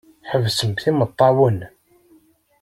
Ḥebsemt imeṭṭawen!